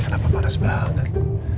kenapa parah banget